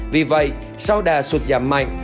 vì vậy sau đà sụt giảm mạnh